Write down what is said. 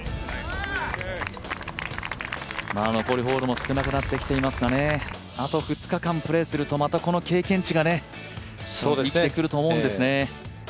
残りホールも少なくなってきていますがあと２日間プレーするとまたこの経験値が生きてくると思うんですよね。